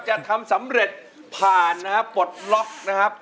จะทำสำเร็จผ่านนะครับปลดล็อกนะครับ